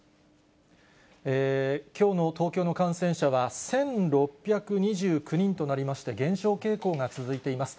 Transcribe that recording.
きょうの東京の感染者は１６２９人となりまして、減少傾向が続いています。